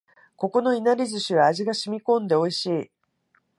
ここのいなり寿司は味が染み込んで美味しい